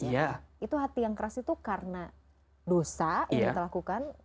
itu hati yang keras itu karena dosa yang kita lakukan